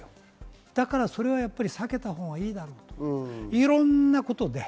だからそれはやっぱり避けたほうがいいだろうと、いろんなことで。